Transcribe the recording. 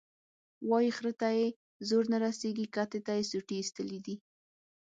وایي خره ته یې زور نه رسېږي، کتې ته یې سوټي ایستلي دي.